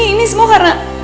ini semua karena